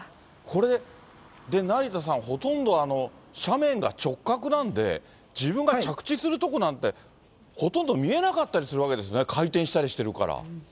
これで、で、成田さん、ほとんど斜面が直角なんで、自分が着地するとこなんて、ほとんど見えなかったりするわけですね、回転したりしてるから。